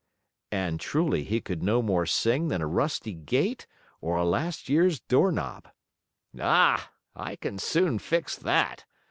And, truly, he could no more sing than a rusty gate, or a last year's door knob. "Ah, I can soon fix that!"